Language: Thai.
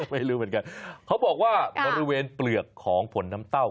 ไม่รู้เหมือนกันเขาบอกว่าบริเวณเปลือกของผลน้ำเต้า